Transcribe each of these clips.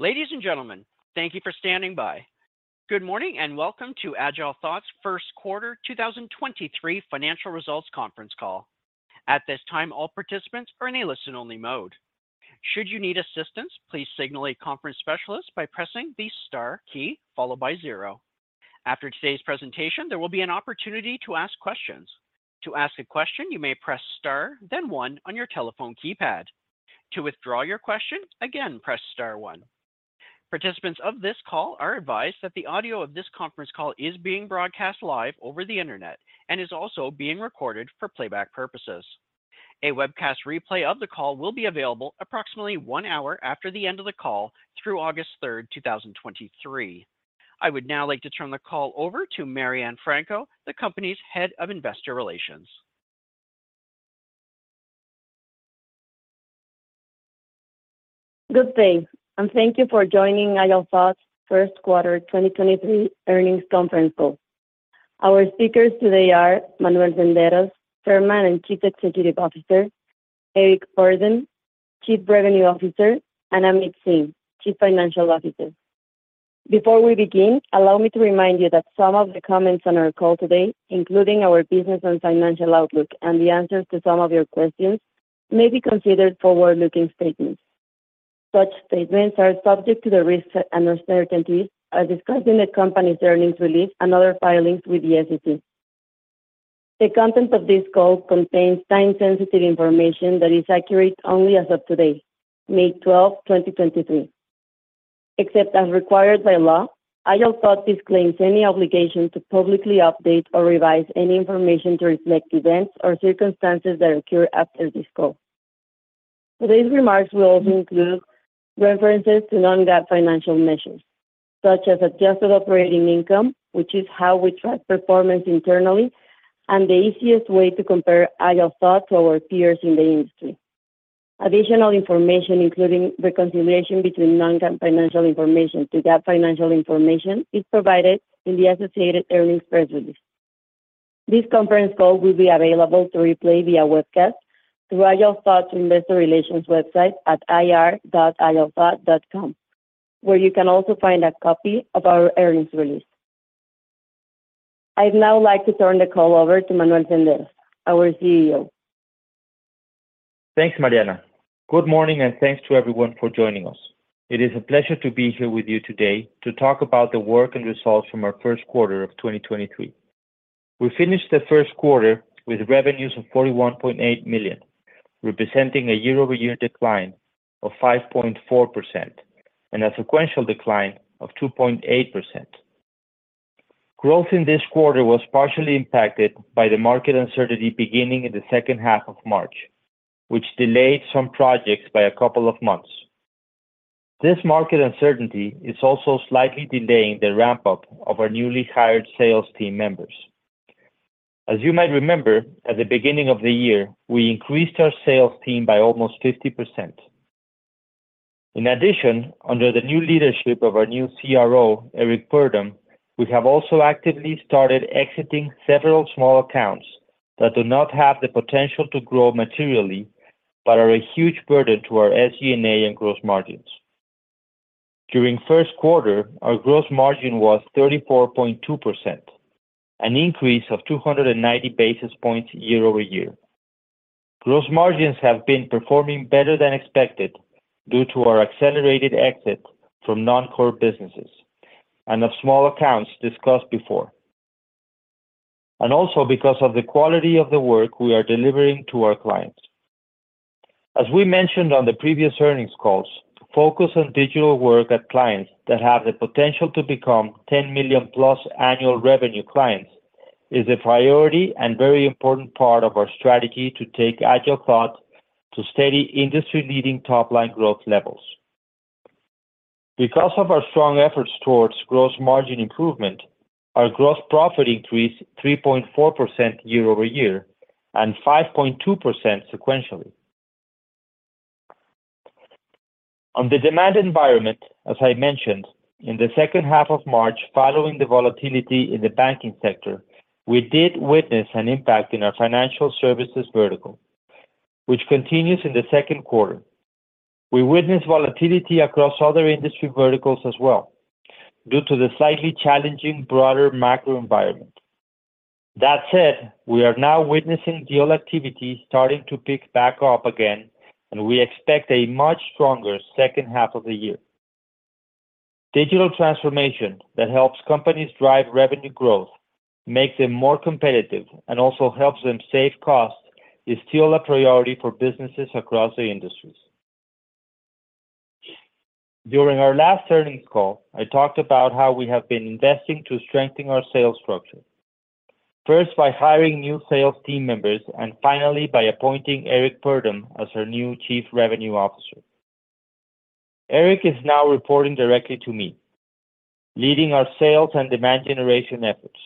Ladies and gentlemen, thank you for standing by. Good morning, and welcome to AgileThought's first quarter, 2023 financial results conference call. At this time, all participants are in a listen-only mode. Should you need assistance, please signal a conference specialist by pressing the Star key followed by zero. After today's presentation, there will be an opportunity to ask questions. To ask a question, you may press Star then one on your telephone keypad. To withdraw your question, again, press Star one. Participants of this call are advised that the audio of this conference call is being broadcast live over the Internet and is also being recorded for playback purposes. A webcast replay of the call will be available approximately 1 hour after the end of the call through August 3rd, 2023. I would now like to turn the call over to Mariana Franco, the company's Head of Investor Relations. Good day, and thank you for joining AgileThought first quarter, 2023 earnings conference call. Our speakers today are Manuel Senderos, Chairman and Chief Executive Officer, Eric Purdum, Chief Revenue Officer, and Amit Singh, Chief Financial Officer. Before we begin, allow me to remind you that some of the comments on our call today, including our business and financial outlook and the answers to some of your questions, may be considered forward-looking statements. Such statements are subject to the risks and uncertainties as discussed in the company's earnings release and other filings with the SEC. The content of this call contains time-sensitive information that is accurate only as of today, May 12, 2023. Except as required by law, AgileThought disclaims any obligation to publicly update or revise any information to reflect events or circumstances that occur after this call. Today's remarks will also include references to non-GAAP financial measures, such as adjusted operating income, which is how we track performance internally and the easiest way to compare AgileThought to our peers in the industry. Additional information, including reconciliation between non-GAAP financial information to GAAP financial information, is provided in the associated earnings release. This conference call will be available to replay via webcast through AgileThought's investor relations website at ir.agilethought.com, where you can also find a copy of our earnings release. I'd now like to turn the call over to Manuel Senderos, our CEO. Thanks, Mariana. Good morning, and thanks to everyone for joining us. It is a pleasure to be here with you today to talk about the work and results from our first quarter of 2023. We finished the first quarter with revenues of $41.8 million, representing a year-over-year decline of 5.4% and a sequential decline of 2.8%. Growth in this quarter was partially impacted by the market uncertainty beginning in the second half of March, which delayed some projects by a couple of months. This market uncertainty is also slightly delaying the ramp-up of our newly hired sales team members. As you might remember, at the beginning of the year, we increased our sales team by almost 50%. Under the new leadership of our new CRO, Eric Purdum, we have also actively started exiting several small accounts that do not have the potential to grow materially, but are a huge burden to our SG&A and gross margins. During first quarter, our gross margin was 34.2%, an increase of 290 basis points year-over-year. Gross margins have been performing better than expected due to our accelerated exit from non-core businesses and of small accounts discussed before, also because of the quality of the work we are delivering to our clients. As we mentioned on the previous earnings calls, focus on digital work at clients that have the potential to become $10 million-plus annual revenue clients is a priority and very important part of our strategy to take AgileThought to steady industry-leading top-line growth levels. Because of our strong efforts towards gross margin improvement, our gross profit increased 3.4% year-over-year and 5.2% sequentially. On the demand environment, as I mentioned, in the second half of March, following the volatility in the banking sector, we did witness an impact in our financial services vertical, which continues in the second quarter. We witnessed volatility across other industry verticals as well due to the slightly challenging broader macro environment. That said, we are now witnessing deal activity starting to pick back up again, and we expect a much stronger second half of the year. Digital transformation that helps companies drive revenue growth makes them more competitive and also helps them save costs is still a priority for businesses across the industries. During our last earnings call, I talked about how we have been investing to strengthen our sales structure, first by hiring new sales team members, and finally by appointing Eric Purdum as our new Chief Revenue Officer. Eric is now reporting directly to me, leading our sales and demand generation efforts.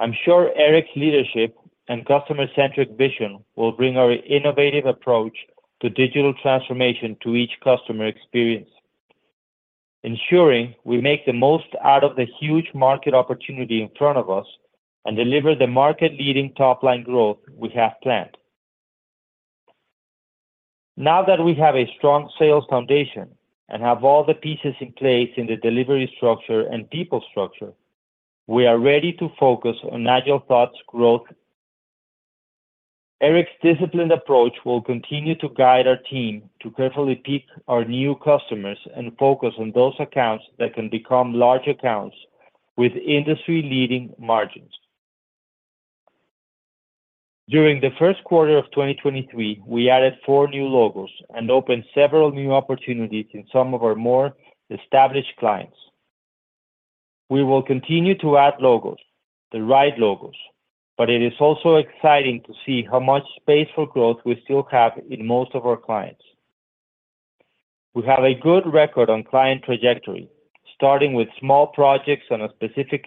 I'm sure Eric's leadership and customer-centric vision will bring our innovative approach to digital transformation to each customer experience, ensuring we make the most out of the huge market opportunity in front of us and deliver the market leading top line growth we have planned. Now that we have a strong sales foundation and have all the pieces in place in the delivery structure and people structure, we are ready to focus on AgileThought's growth. Eric's disciplined approach will continue to guide our team to carefully pick our new customers and focus on those accounts that can become large accounts with industry-leading margins. During the first quarter of 2023, we added 4 new logos and opened several new opportunities in some of our more established clients. We will continue to add logos, the right logos, but it is also exciting to see how much space for growth we still have in most of our clients. We have a good record on client trajectory, starting with small projects on a specific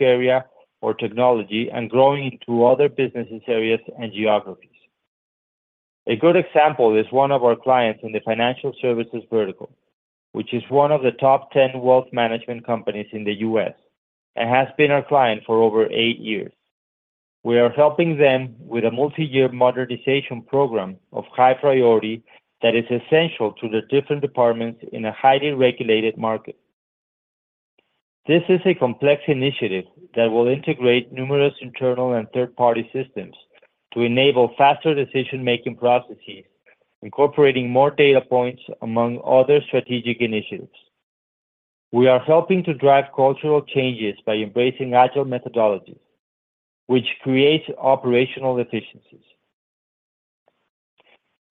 area or technology and growing into other business areas and geographies. A good example is one of our clients in the financial services vertical, which is one of the top 10 wealth management companies in the U.S. and has been our client for over eight years. We are helping them with a multi-year modernization program of high priority that is essential to the different departments in a highly regulated market. This is a complex initiative that will integrate numerous internal and third-party systems to enable faster decision-making processes, incorporating more data points among other strategic initiatives. We are helping to drive cultural changes by embracing agile methodologies, which creates operational efficiencies.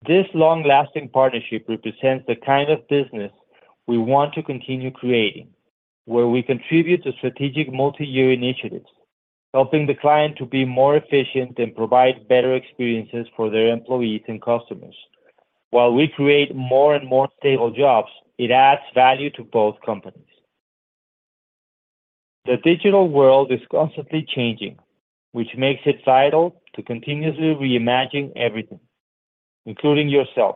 This long-lasting partnership represents the kind of business we want to continue creating, where we contribute to strategic multi-year initiatives, helping the client to be more efficient and provide better experiences for their employees and customers. While we create more and more stable jobs, it adds value to both companies. The digital world is constantly changing, which makes it vital to continuously reimagine everything, including yourself.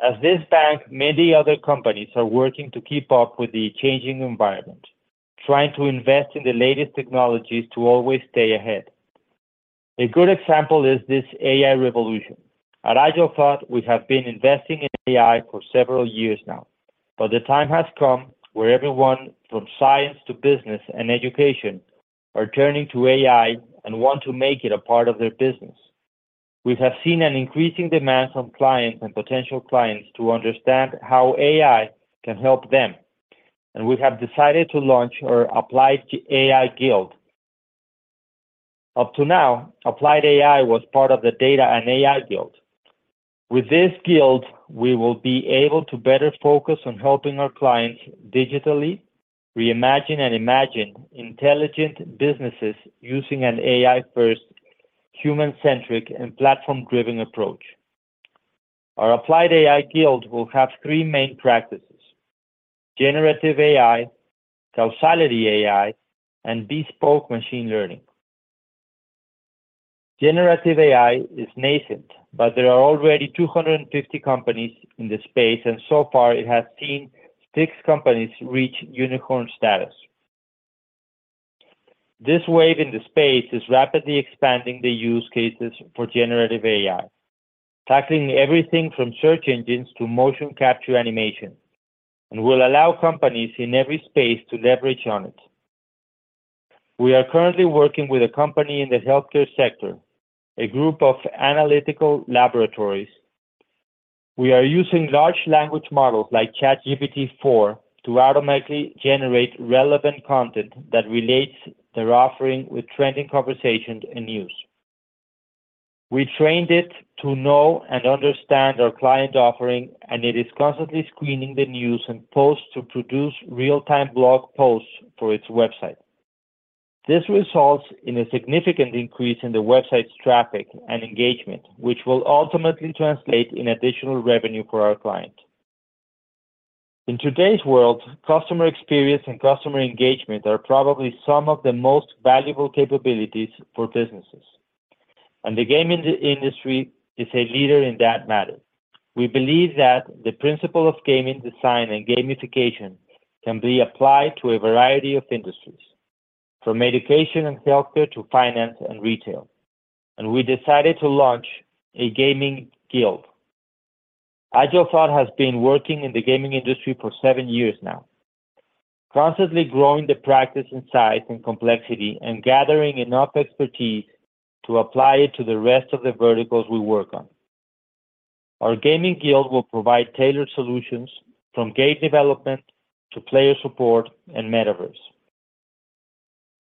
As this bank, many other companies are working to keep up with the changing environment, trying to invest in the latest technologies to always stay ahead. A good example is this AI revolution. At AgileThought, we have been investing in AI for several years now, but the time has come where everyone from science to business and education are turning to AI and want to make it a part of their business. We have seen an increasing demand from clients and potential clients to understand how AI can help them, and we have decided to launch our Applied AI Guild. Up to now, Applied AI was part of the Data and AI Guild. With this guild, we will be able to better focus on helping our clients digitally reimagine and imagine intelligent businesses using an AI-first, human-centric, and platform-driven approach. Our Applied AI Guild will have three main practices: Generative AI, Causal AI, and Bespoke Machine Learning. Generative AI is nascent, but there are already 250 companies in this space, and so far it has seen six companies reach unicorn status. This wave in the space is rapidly expanding the use cases for Generative AI, tackling everything from search engines to motion capture animation, and will allow companies in every space to leverage on it. We are currently working with a company in the healthcare sector, a group of analytical laboratories. We are using large language models like ChatGPT-4 to automatically generate relevant content that relates their offering with trending conversations and news. We trained it to know and understand our client offering, and it is constantly screening the news and posts to produce real-time blog posts for its website. This results in a significant increase in the website's traffic and engagement, which will ultimately translate in additional revenue for our client. In today's world, customer experience and customer engagement are probably some of the most valuable capabilities for businesses, and the gaming industry is a leader in that matter. We believe that the principle of gaming design and gamification can be applied to a variety of industries, from education and healthcare to finance and retail, and we decided to launch a Gaming Guild. AgileThought has been working in the gaming industry for seven years now, constantly growing the practice in size and complexity and gathering enough expertise to apply it to the rest of the verticals we work on. Our Gaming Guild will provide tailored solutions from game development to player support and metaverse.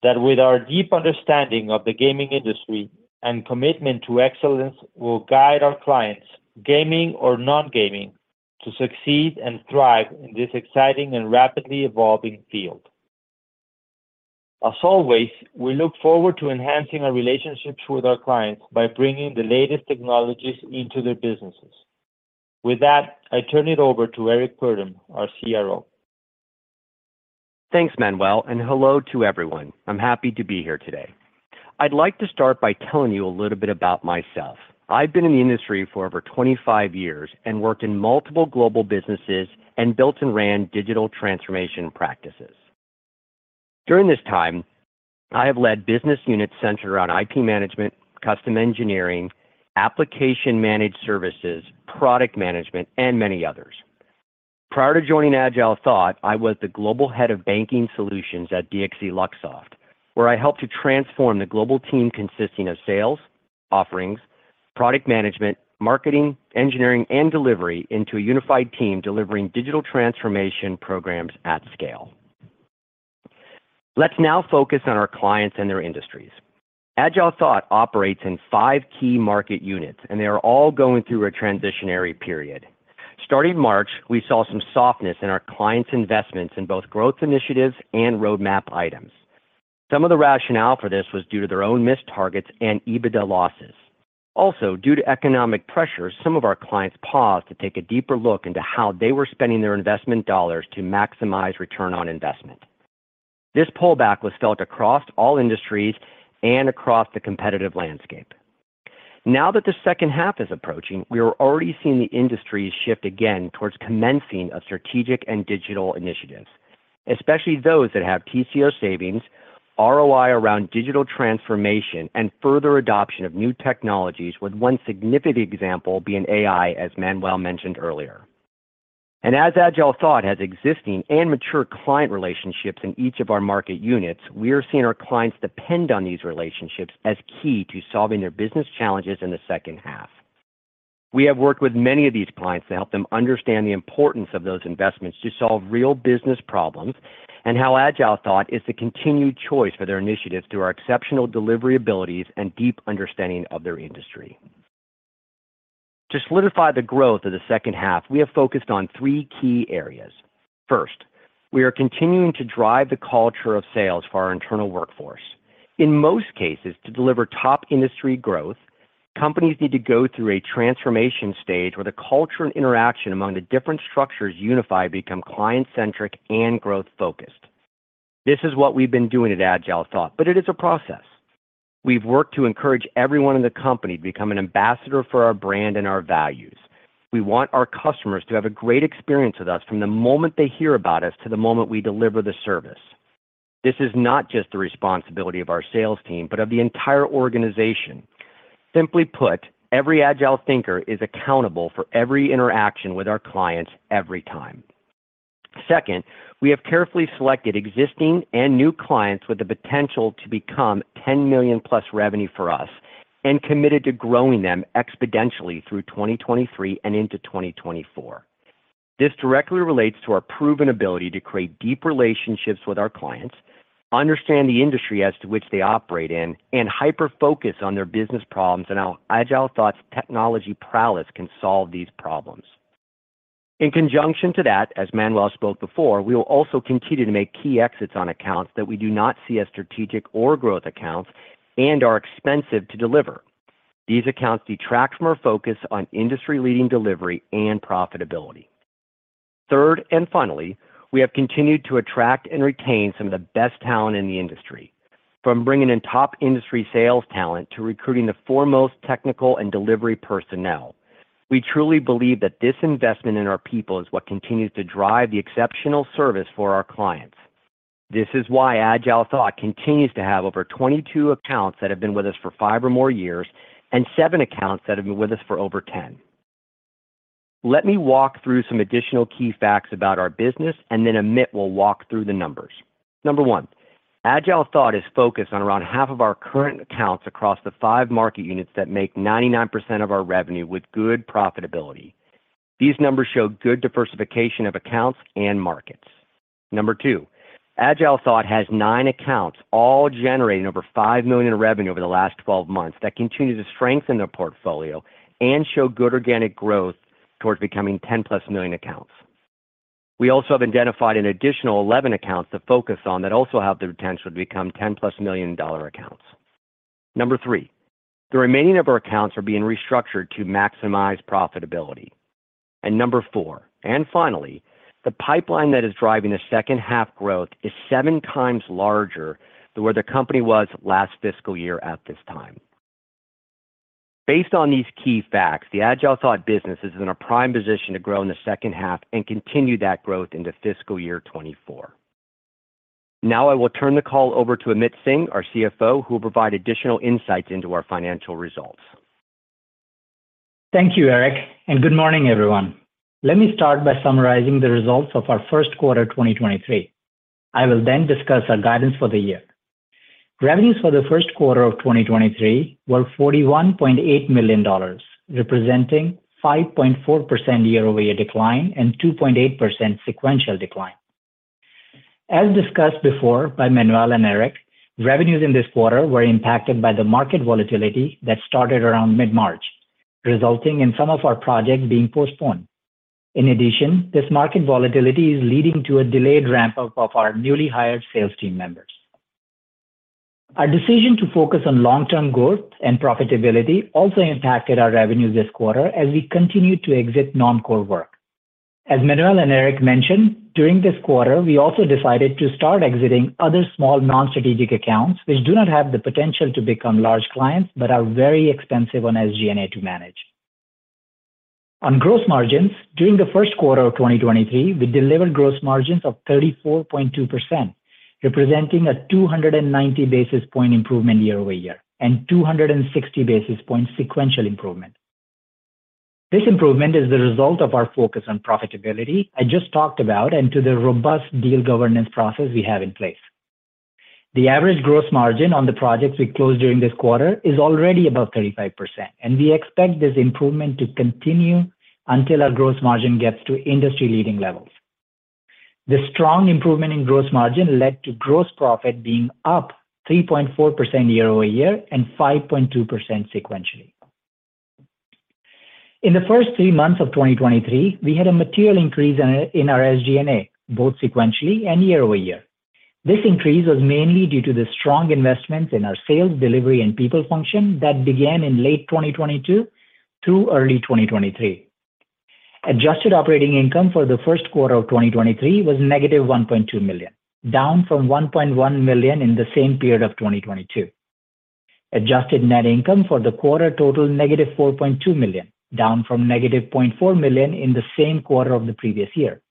That with our deep understanding of the gaming industry and commitment to excellence will guide our clients, gaming or non-gaming, to succeed and thrive in this exciting and rapidly evolving field. As always, we look forward to enhancing our relationships with our clients by bringing the latest technologies into their businesses. With that, I turn it over to Eric Purdum, our CRO. Thanks, Manuel, and hello to everyone. I'm happy to be here today. I'd like to start by telling you a little bit about myself. I've been in the industry for over 25 years and worked in multiple global businesses and built and ran digital transformation practices. During this time, I have led business units centered around IP management, custom engineering, application managed services, product management, and many others. Prior to joining AgileThought, I was the Global Head of Banking Solutions at DXC Luxoft, where I helped to transform the global team consisting of sales, offerings, product management, marketing, engineering, and delivery into a unified team delivering digital transformation programs at scale. Let's now focus on our clients and their industries. AgileThought operates in five key market units, and they are all going through a transitionary period. Starting March, we saw some softness in our clients' investments in both growth initiatives and roadmap items. Some of the rationale for this was due to their own missed targets and EBITDA losses. Also, due to economic pressures, some of our clients paused to take a deeper look into how they were spending their investment dollars to maximize return on investment. This pullback was felt across all industries and across the competitive landscape. Now that the second half is approaching, we are already seeing the industries shift again towards commencing of strategic and digital initiatives, especially those that have TCO savings, ROI around digital transformation, and further adoption of new technologies, with one significant example being AI, as Manuel mentioned earlier. As AgileThought has existing and mature client relationships in each of our market units, we are seeing our clients depend on these relationships as key to solving their business challenges in the second half. We have worked with many of these clients to help them understand the importance of those investments to solve real business problems and how AgileThought is the continued choice for their initiatives through our exceptional delivery abilities and deep understanding of their industry. To solidify the growth of the second half, we have focused on three key areas. First, we are continuing to drive the culture of sales for our internal workforce. In most cases, to deliver top industry growth, companies need to go through a transformation stage where the culture and interaction among the different structures unify become client-centric and growth-focused. This is what we've been doing at AgileThought, but it is a process. We've worked to encourage everyone in the company to become an ambassador for our brand and our values. We want our customers to have a great experience with us from the moment they hear about us to the moment we deliver the service. This is not just the responsibility of our sales team, but of the entire organization. Simply put, every Agile thinker is accountable for every interaction with our clients every time. Second, we have carefully selected existing and new clients with the potential to become $10 million plus revenue for us and committed to growing them exponentially through 2023 and into 2024. This directly relates to our proven ability to create deep relationships with our clients, understand the industry as to which they operate in, and hyper-focus on their business problems and how AgileThought's technology prowess can solve these problems. In conjunction to that, as Manuel spoke before, we will also continue to make key exits on accounts that we do not see as strategic or growth accounts and are expensive to deliver. These accounts detract from our focus on industry-leading delivery and profitability. Third, and finally, we have continued to attract and retain some of the best talent in the industry. From bringing in top industry sales talent to recruiting the foremost technical and delivery personnel. We truly believe that this investment in our people is what continues to drive the exceptional service for our clients. This is why AgileThought continues to have over 22 accounts that have been with us for five or more years and seven accounts that have been with us for over 10. Let me walk through some additional key facts about our business, and then Amit will walk through the numbers. Number one, AgileThought is focused on around half of our current accounts across the five market units that make 99% of our revenue with good profitability. These numbers show good diversification of accounts and markets. Number two, AgileThought has nine accounts, all generating over $5 million in revenue over the last 12 months that continue to strengthen their portfolio and show good organic growth towards becoming $10+ million accounts. We also have identified an additional 11 accounts to focus on that also have the potential to become $10+ million dollar accounts. Number three, the remaining of our accounts are being restructured to maximize profitability. Number four, and finally, the pipeline that is driving the second half growth is seven times larger than where the company was last fiscal year at this time. Based on these key facts, the AgileThought business is in a prime position to grow in the second half and continue that growth into fiscal year 2024. Now I will turn the call over to Amit Singh, our CFO, who will provide additional insights into our financial results. Thank you, Eric. Good morning, everyone. Let me start by summarizing the results of our first quarter 2023. I will then discuss our guidance for the year. Revenues for the first quarter of 2023 were $41.8 million, representing 5.4% year-over-year decline and 2.8% sequential decline. As discussed before by Manuel and Eric, revenues in this quarter were impacted by the market volatility that started around mid-March, resulting in some of our projects being postponed. In addition, this market volatility is leading to a delayed ramp-up of our newly hired sales team members. Our decision to focus on long-term growth and profitability also impacted our revenues this quarter as we continued to exit non-core work. As Manuel and Eric mentioned, during this quarter, we also decided to start exiting other small non-strategic accounts which do not have the potential to become large clients but are very expensive on SG&A to manage. On gross margins, during the first quarter of 2023, we delivered gross margins of 34.2%, representing a 290 basis point improvement year-over-year and 260 basis point sequential improvement. This improvement is the result of our focus on profitability I just talked about and to the robust deal governance process we have in place. The average gross margin on the projects we closed during this quarter is already above 35%. We expect this improvement to continue until our gross margin gets to industry leading levels. The strong improvement in gross margin led to gross profit being up 3.4% year-over-year and 5.2% sequentially. In the first three months of 2023, we had a material increase in our SG&A, both sequentially and year-over-year. This increase was mainly due to the strong investments in our sales, delivery, and people function that began in late 2022 through early 2023. Adjusted operating income for the first quarter of 2023 was -$1.2 million, down from $1.1 million in the same period of 2022. Adjusted net income for the quarter totaled -$4.2 million, down from -$0.4 million in the same quarter of the previous year.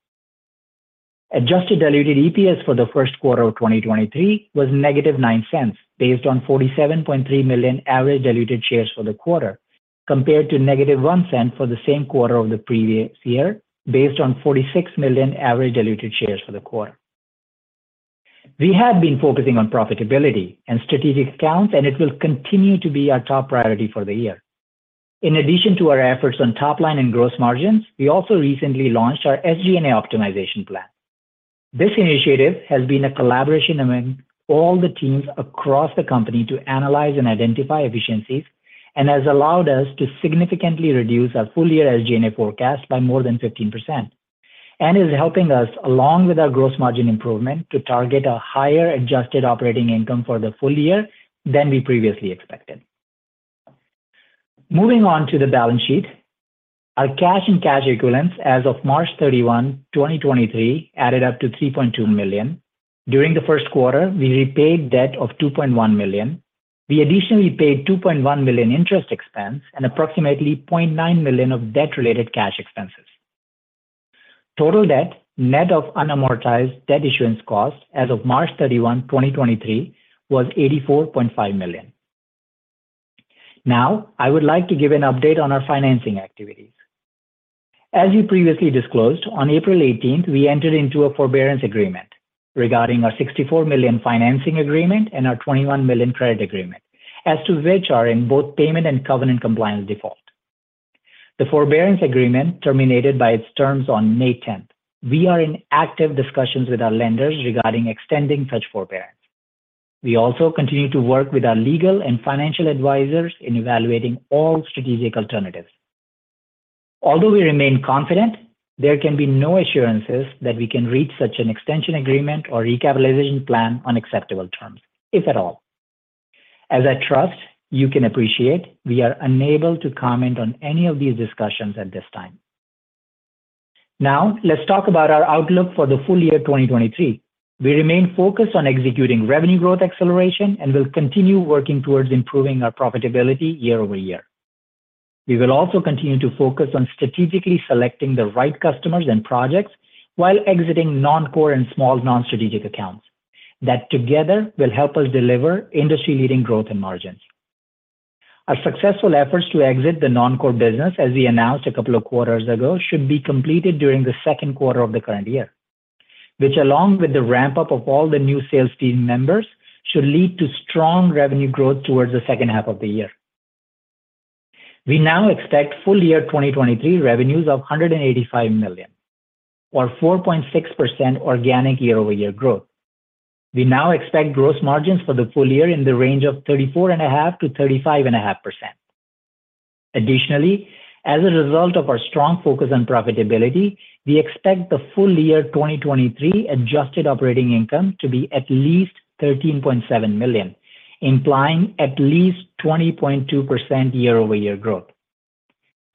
Adjusted diluted EPS for the first quarter of 2023 was -$0.09, based on 47.3 million average diluted shares for the quarter, compared to -$0.01 for the same quarter of the previous year, based on 46 million average diluted shares for the quarter. We have been focusing on profitability and strategic accounts, It will continue to be our top priority for the year. In addition to our efforts on top line and gross margins, we also recently launched our SG&A optimization plan. This initiative has been a collaboration among all the teams across the company to analyze and identify efficiencies and has allowed us to significantly reduce our full year SG&A forecast by more than 15% and is helping us, along with our gross margin improvement, to target a higher adjusted operating income for the full year than we previously expected. Moving on to the balance sheet. Our cash and cash equivalents as of March 31, 2023 added up to $3.2 million. During the first quarter, we repaid debt of $2.1 million. We additionally paid $2.1 million interest expense and approximately $0.9 million of debt related cash expenses. Total debt, net of unamortized debt issuance costs as of March 31, 2023 was $84.5 million. Now, I would like to give an update on our financing activities. As we previously disclosed, on April 18, we entered into a forbearance agreement regarding our $64 million financing agreement and our $21 million credit agreement, as to which are in both payment and covenant compliance default. The forbearance agreement terminated by its terms on May 10. We are in active discussions with our lenders regarding extending such forbearance. We also continue to work with our legal and financial advisors in evaluating all strategic alternatives. Although we remain confident, there can be no assurances that we can reach such an extension agreement or recapitalization plan on acceptable terms, if at all. As I trust you can appreciate, we are unable to comment on any of these discussions at this time. Now let's talk about our outlook for the full year 2023. We remain focused on executing revenue growth acceleration, and we'll continue working towards improving our profitability year-over-year. We will also continue to focus on strategically selecting the right customers and projects while exiting non-core and small non-strategic accounts that together will help us deliver industry-leading growth and margins. Our successful efforts to exit the non-core business, as we announced a couple of quarters ago, should be completed during the second quarter of the current year, which along with the ramp up of all the new sales team members, should lead to strong revenue growth towards the second half of the year. We now expect full year 2023 revenues of $185 million or 4.6% organic year-over-year growth. We now expect gross margins for the full year in the range of 34.5%-35.5%. Additionally, as a result of our strong focus on profitability, we expect the full year 2023 adjusted operating income to be at least $13.7 million, implying at least 20.2% year-over-year growth.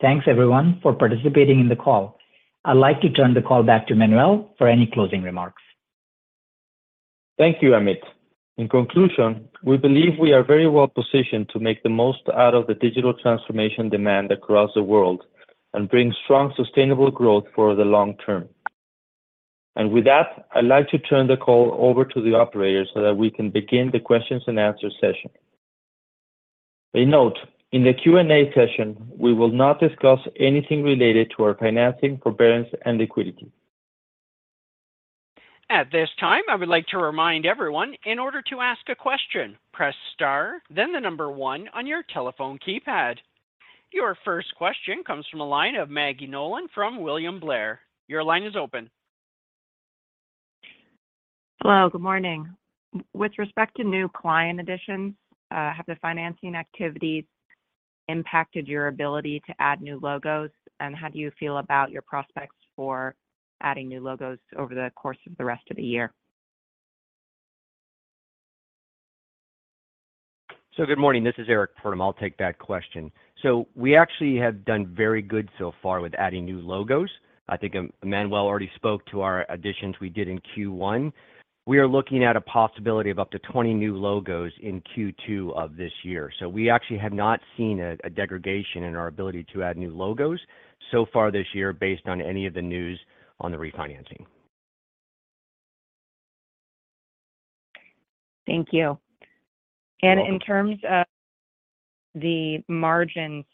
Thanks everyone for participating in the call. I'd like to turn the call back to Manuel for any closing remarks. Thank you, Amit. In conclusion, we believe we are very well positioned to make the most out of the digital transformation demand across the world and bring strong sustainable growth for the long term. With that, I'd like to turn the call over to the operator so that we can begin the questions and answer session. A note. In the Q&A session, we will not discuss anything related to our financing, forbearance, and liquidity. At this time, I would like to remind everyone in order to ask a question, press Star, then the one on your telephone keypad. Your first question comes from a line of Maggie Nolan from William Blair. Your line is open. Hello, good morning. With respect to new client additions, have the financing activities impacted your ability to add new logos? How do you feel about your prospects for adding new logos over the course of the rest of the year? Good morning. This is Eric Purdum. I'll take that question. We actually have done very good so far with adding new logos. I think Manuel already spoke to our additions we did in Q1. We are looking at a possibility of up to 20 new logos in Q2 of this year. We actually have not seen a degradation in our ability to add new logos so far this year based on any of the news on the refinancing. Thank you. In terms of the margins,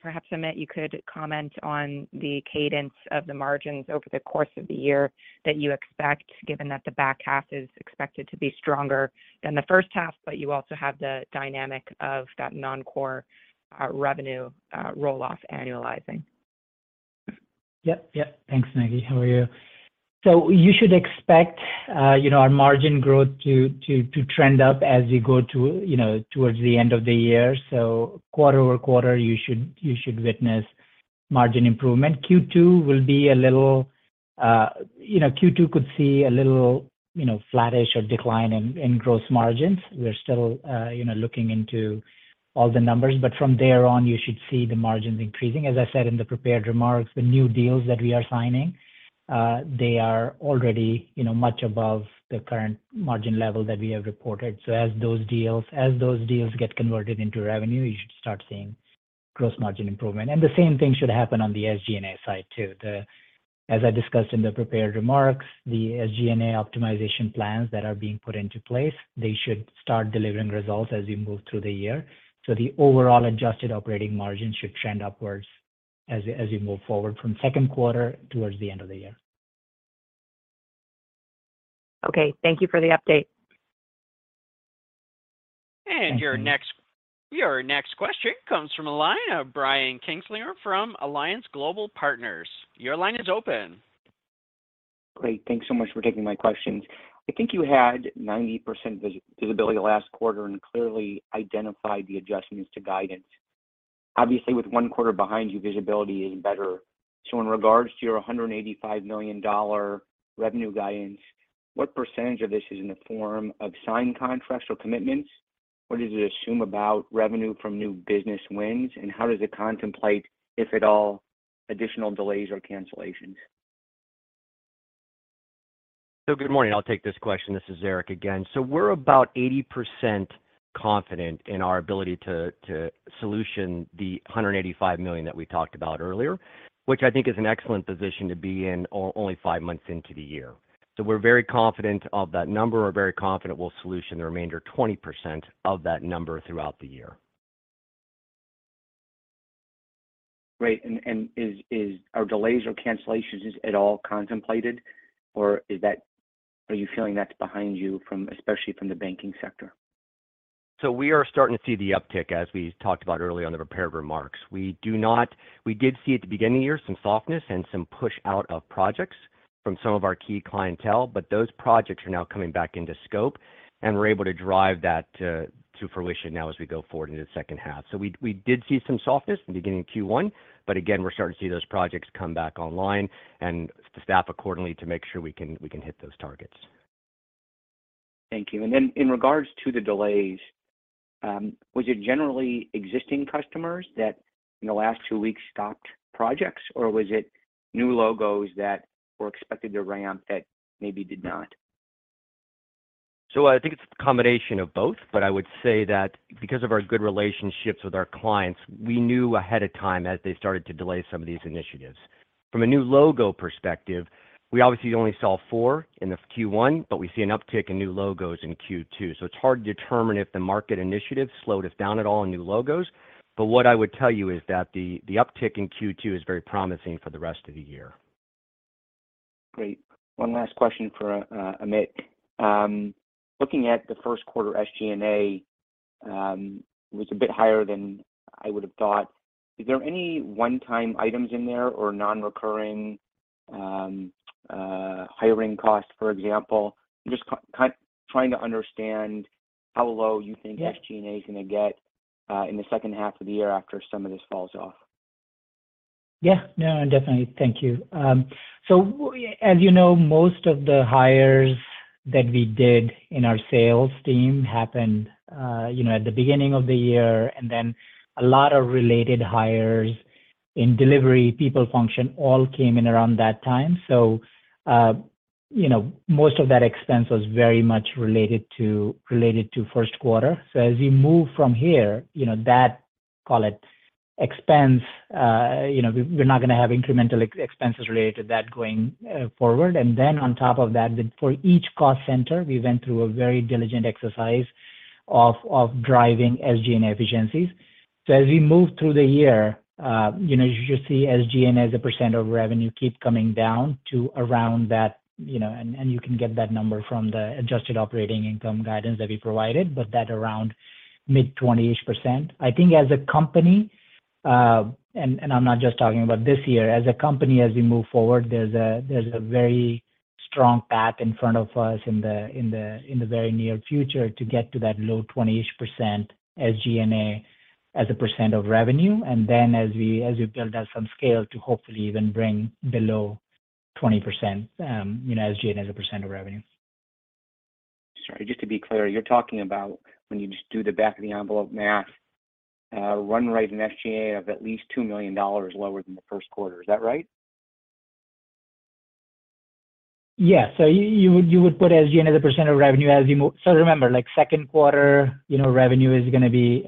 perhaps, Amit, you could comment on the cadence of the margins over the course of the year that you expect, given that the back half is expected to be stronger than the first half, but you also have the dynamic of that non-core revenue roll-off annualizing. Yep. Yep. Thanks, Maggie. How are you? You should expect, you know, our margin growth to trend up as we go, you know, towards the end of the year. Quarter-over-quarter, you should witness margin improvement. Q2 will be a little, you know, Q2 could see a little, you know, flattish or decline in gross margins. We're still, you know, looking into all the numbers. From there on, you should see the margins increasing. As I said in the prepared remarks, the new deals that we are signing, they are already, you know, much above the current margin level that we have reported. As those deals get converted into revenue, you should start seeing gross margin improvement. The same thing should happen on the SG&A side too. As I discussed in the prepared remarks, the SG&A optimization plans that are being put into place, they should start delivering results as we move through the year. The overall adjusted operating margin should trend upwards as we move forward from second quarter towards the end of the year. Okay. Thank you for the update. Thank you. Your next question comes from the line of Brian Kinstlinger from Alliance Global Partners. Your line is open. Great. Thanks so much for taking my questions. I think you had 90% visibility last quarter and clearly identified the adjustments to guidance. Obviously, with one quarter behind you, visibility is better. In regards to your $185 million revenue guidance, what % of this is in the form of signed contracts or commitments? What does it assume about revenue from new business wins, and how does it contemplate, if at all, additional delays or cancellations? Good morning. I'll take this question. This is Eric again. We're about 80% confident in our ability to solution the $185 million that we talked about earlier, which I think is an excellent position to be in only five months into the year. We're very confident of that number. We're very confident we'll solution the remainder 20% of that number throughout the year. Great. Are delays or cancellations, is it all contemplated or are you feeling that's behind you from, especially from the banking sector? We are starting to see the uptick, as we talked about earlier in the prepared remarks. We did see at the beginning of the year some softness and some push out of projects from some of our key clientele, but those projects are now coming back into scope, and we're able to drive that to fruition now as we go forward into the second half. We did see some softness in the beginning of Q1, but again, we're starting to see those projects come back online and staff accordingly to make sure we can hit those targets. Thank you. In regards to the delays, was it generally existing customers that in the last 2 weeks stopped projects, or was it new logos that were expected to ramp that maybe did not? I think it's a combination of both, but I would say that because of our good relationships with our clients, we knew ahead of time as they started to delay some of these initiatives. From a new logo perspective, we obviously only saw four in Q1, but we see an uptick in new logos in Q2. It's hard to determine if the market initiative slowed us down at all on new logos. What I would tell you is that the uptick in Q2 is very promising for the rest of the year. Great. One last question for Amit. Looking at the first quarter SG&A, was a bit higher than I would have thought. Is there any one-time items in there or non-recurring hiring costs, for example? I'm just trying to understand how low you think- Yeah. SG&A is gonna get, in the second half of the year after some of this falls off. Yeah. No, definitely. Thank you. As you know, most of the hires that we did in our sales team happened, you know, at the beginning of the year, and then a lot of related hires in delivery, people function all came in around that time. You know, most of that expense was very much related to first quarter. As we move from here, you know, that, call it expense, you know, we're not gonna have incremental expenses related to that going forward. On top of that, for each cost center, we went through a very diligent exercise of driving SG&A efficiencies. As we move through the year, you know, you should see SG&A as a % of revenue keep coming down to around that, you know, and you can get that number from the adjusted operating income guidance that we provided, but that around mid-20ish%. I think as a company, and I'm not just talking about this year, as a company, as we move forward, there's a very strong path in front of us in the very near future to get to that low 20ish% SG&A as a % of revenue. Then as we build out some scale to hopefully even bring below 20%, you know, SG&A as a % of revenue. Sorry, just to be clear, you're talking about when you just do the back of the envelope math, run rate in SG&A of at least $2 million lower than the first quarter. Is that right? Yeah. You would put SG&A as a % of revenue as you. Remember, like second quarter, you know, revenue is gonna be,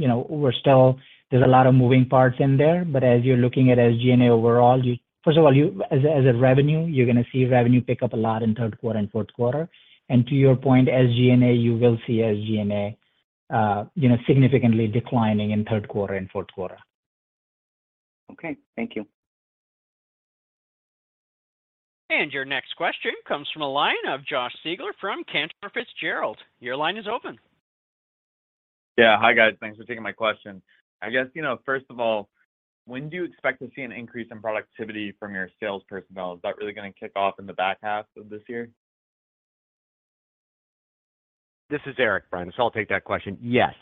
you know. There's a lot of moving parts in there. As you're looking at SG&A overall, First of all, As a revenue, you're gonna see revenue pick up a lot in third quarter and fourth quarter. To your point, SG&A, you will see SG&A, you know, significantly declining in third quarter and fourth quarter. Okay. Thank you. Your next question comes from a line of Josh Siegler from Cantor Fitzgerald. Your line is open. Yeah. Hi, guys. Thanks for taking my question. I guess, you know, first of all, when do you expect to see an increase in productivity from your sales personnel? Is that really gonna kick off in the back half of this year? This is Eric, Brian, so I'll take that question. Yes.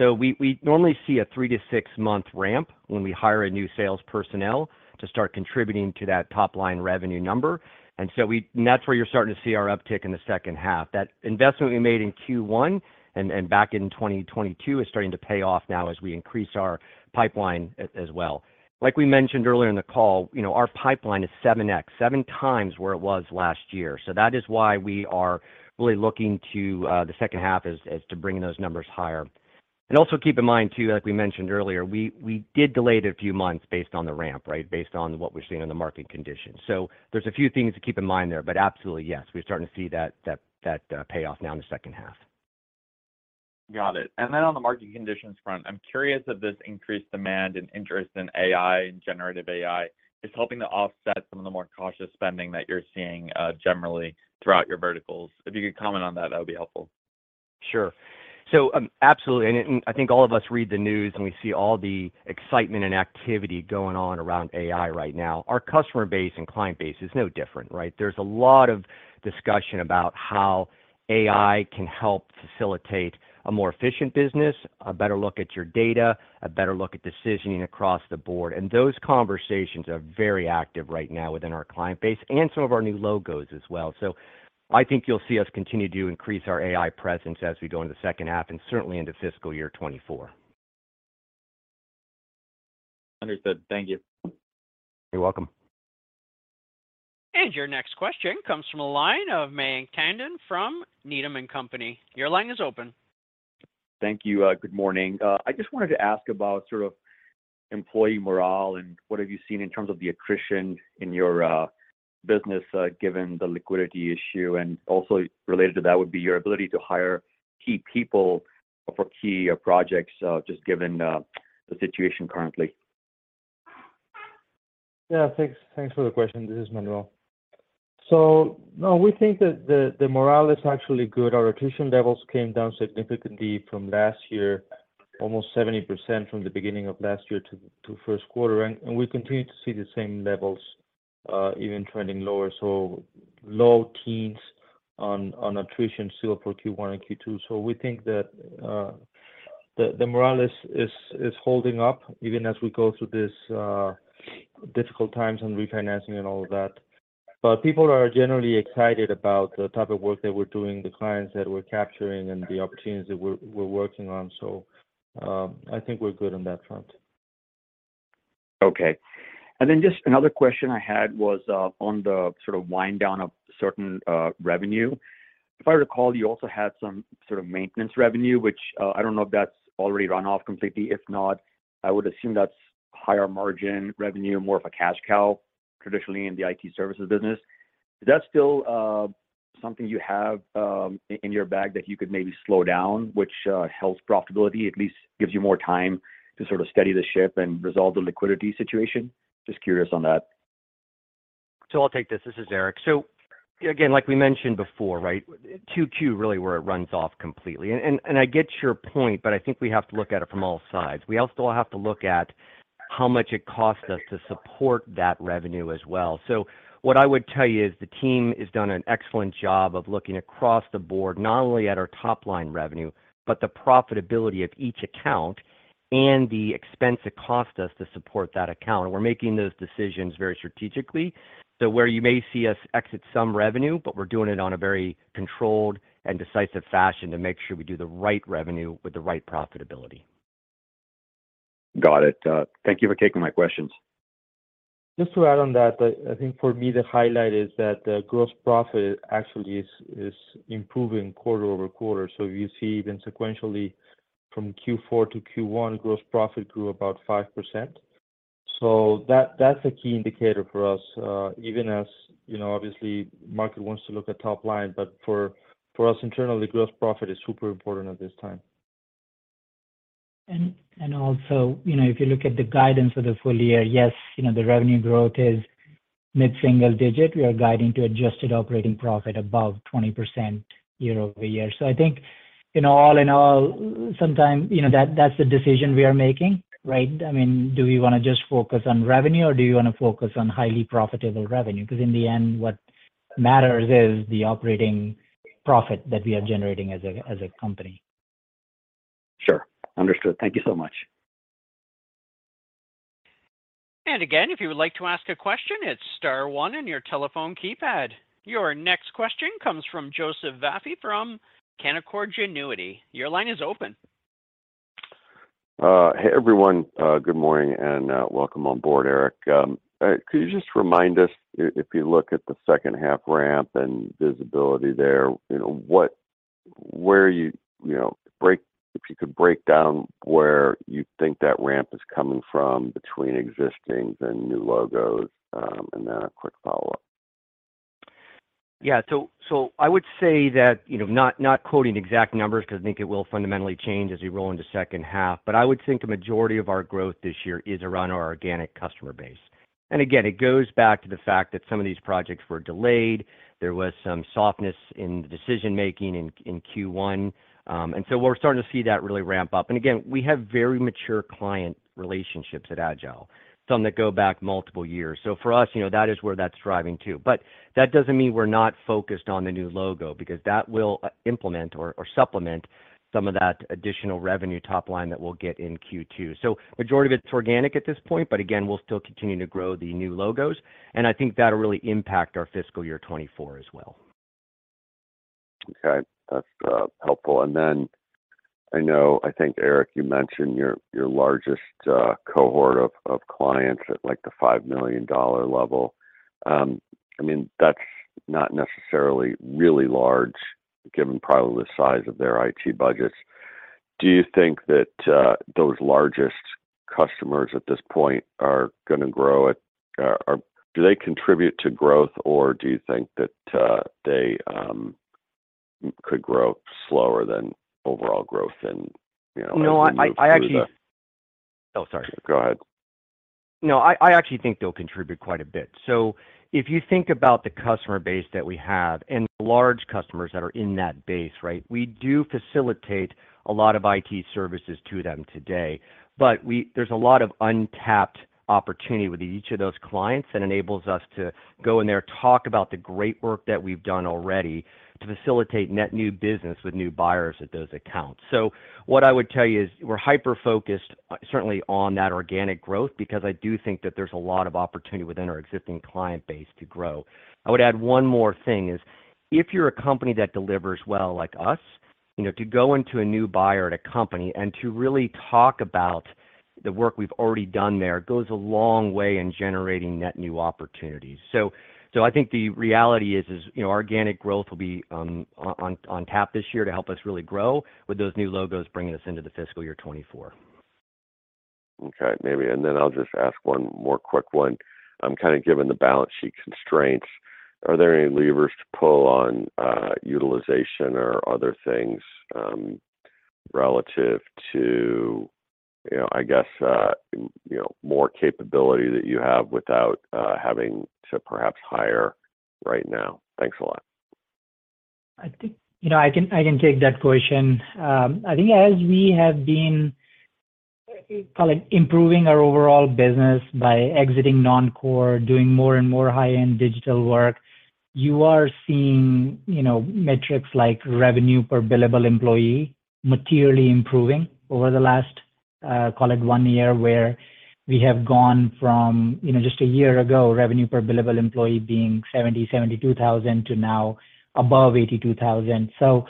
We normally see a three to six-month ramp when we hire a new sales personnel to start contributing to that top-line revenue number, that's where you're starting to see our uptick in the second half. That investment we made in Q1 and back in 2022 is starting to pay off now as we increase our pipeline as well. Like we mentioned earlier in the call, you know, our pipeline is 7x, 7 times where it was last year. That is why we are really looking to the second half as to bringing those numbers higher. Also keep in mind too, like we mentioned earlier, we did delay it a few months based on the ramp, right? Based on what we're seeing in the market conditions. There's a few things to keep in mind there, but absolutely, yes, we're starting to see that payoff now in the second half. Got it. On the market conditions front, I'm curious if this increased demand and interest in AI and Generative AI is helping to offset some of the more cautious spending that you're seeing generally throughout your verticals? If you could comment on that would be helpful. Sure. Absolutely. I think all of us read the news, and we see all the excitement and activity going on around AI right now. Our customer base and client base is no different, right? There's a lot of discussion about how AI can help facilitate a more efficient business, a better look at your data, a better look at decisioning across the board. Those conversations are very active right now within our client base and some of our new logos as well. I think you'll see us continue to increase our AI presence as we go into second half and certainly into fiscal year 2024. Understood. Thank you. You're welcome. Your next question comes from a line of Mayank Tandon from Needham & Company. Your line is open. Thank you. Good morning. I just wanted to ask about sort of employee morale and what have you seen in terms of the attrition in your business, given the liquidity issue, and also related to that would be your ability to hire key people for key projects, just given the situation currently? Yeah. Thanks for the question. This is Manuel. No, we think that the morale is actually good. Our attrition levels came down significantly from last year, almost 70% from the beginning of last year to first quarter, and we continue to see the same levels even trending lower. Low teens on attrition still for Q one and Q two. We think that the morale is holding up even as we go through this difficult times in refinancing and all of that. People are generally excited about the type of work that we're doing, the clients that we're capturing, and the opportunities that we're working on. I think we're good on that front. Okay. Just another question I had was on the sort of wind down of certain revenue. If I recall, you also had some sort of maintenance revenue, which I don't know if that's already run off completely. If not, I would assume that's higher margin revenue, more of a cash cow traditionally in the IT services business. Is that still something you have in your bag that you could maybe slow down, which helps profitability, at least gives you more time to sort of steady the ship and resolve the liquidity situation? Just curious on that. I'll take this. This is Eric. Again, like we mentioned before, right, Q2 really where it runs off completely. I get your point, but I think we have to look at it from all sides. We also have to look at how much it costs us to support that revenue as well. What I would tell you is the team has done an excellent job of looking across the board, not only at our top line revenue, but the profitability of each account and the expense it costs us to support that account. We're making those decisions very strategically. Where you may see us exit some revenue, but we're doing it on a very controlled and decisive fashion to make sure we do the right revenue with the right profitability. Got it. Thank you for taking my questions. Just to add on that, I think for me, the highlight is that the gross profit actually is improving quarter-over-quarter. You see then sequentially from Q4 to Q1, gross profit grew about 5%. That's a key indicator for us, even as, you know, obviously market wants to look at top line, but for us internally, gross profit is super important at this time. Also, you know, if you look at the guidance for the full year, yes, you know, the revenue growth is mid-single digit. We are guiding to adjusted operating profit above 20% year-over-year. I think, you know, all in all, sometimes, you know, that's the decision we are making, right? I mean, do we wanna just focus on revenue or do you wanna focus on highly profitable revenue? Because in the end, what matters is the operating profit that we are generating as a company. Sure. Understood. Thank you so much. Again, if you would like to ask a question, it's star one on your telephone keypad. Your next question comes from Joseph Vafi from Canaccord Genuity. Your line is open. Hey, everyone. Good morning and welcome on board, Eric. Eric, could you just remind us if you look at the second half ramp and visibility there, you know, where you... You know, if you could break down where you think that ramp is coming from between existing and new logos. Then a quick follow-up. Yeah. I would say that, you know, not quoting exact numbers 'cause I think it will fundamentally change as we roll into second half. I would think a majority of our growth this year is around our organic customer base. Again, it goes back to the fact that some of these projects were delayed. There was some softness in the decision-making in Q1. We're starting to see that really ramp up. Again, we have very mature client relationships at Agile, some that go back multiple years. For us, you know, that is where that's driving to. That doesn't mean we're not focused on the new logo because that will implement or supplement some of that additional revenue top line that we'll get in Q2. Majority of it's organic at this point, but again, we'll still continue to grow the new logos, and I think that'll really impact our fiscal year 2024 as well. Okay. That's helpful. I know. I think, Eric, you mentioned your largest cohort of clients at, like, the $5 million level. I mean, that's not necessarily really large given probably the size of their IT budgets. Do you think that those largest customers at this point are gonna grow at? Do they contribute to growth, or do you think that they could grow slower than overall growth and, you know, as we move through? No, I actually. Oh, sorry. Go ahead. No, I actually think they'll contribute quite a bit. If you think about the customer base that we have and large customers that are in that base, right? There's a lot of untapped opportunity with each of those clients that enables us to go in there, talk about the great work that we've done already to facilitate net new business with new buyers at those accounts. What I would tell you is we're hyper-focused certainly on that organic growth because I do think that there's a lot of opportunity within our existing client base to grow. I would add one more thing is, if you're a company that delivers well like us, you know, to go into a new buyer at a company and to really talk about the work we've already done there goes a long way in generating net new opportunities. I think the reality is, you know, organic growth will be on tap this year to help us really grow with those new logos bringing us into the fiscal year 24. Okay. Maybe... Then I'll just ask one more quick one. Kind of given the balance sheet constraints, are there any levers to pull on utilization or other things, relative to, you know, I guess, you know, more capability that you have without having to perhaps hire right now? Thanks a lot. I think, you know, I can, I can take that question. I think as we have been, call it, improving our overall business by exiting non-core, doing more and more high-end digital work, you are seeing, you know, metrics like revenue per billable employee materially improving over the last, call it one year, where we have gone from, you know, just a year ago, revenue per billable employee being $70,000-$72,000 to now above $82,000.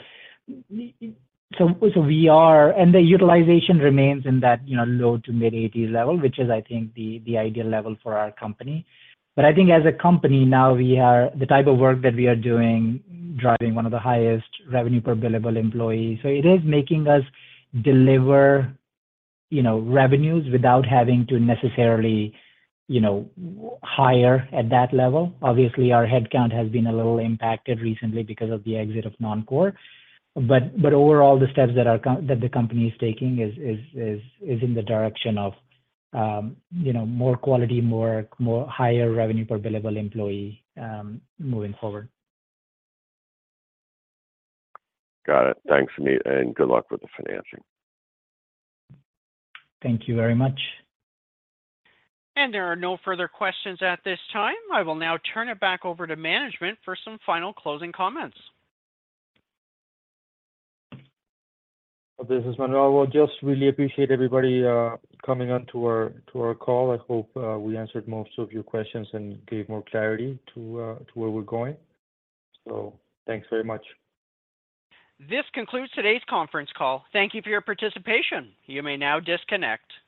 We are. The utilization remains in that low to mid 80 level, which is I think the ideal level for our company. I think as a company now, we are the type of work that we are doing, driving one of the highest revenue per billable employee. It is making us deliver, you know, revenues without having to necessarily, you know, hire at that level. Obviously, our headcount has been a little impacted recently because of the exit of non-core. But overall, the steps that the company is taking is in the direction of, you know, more quality, more higher revenue per billable employee moving forward. Got it. Thanks, Amit, and good luck with the financing. Thank you very much. There are no further questions at this time. I will now turn it back over to management for some final closing comments. This is Manuel. We just really appreciate everybody coming on to our call. I hope we answered most of your questions and gave more clarity to where we're going. Thanks very much. This concludes today's conference call. Thank you for your participation. You may now disconnect.